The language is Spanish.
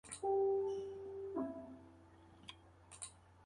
El premio es honorífico, no monetario.